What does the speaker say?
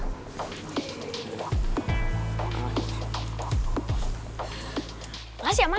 belas ya ma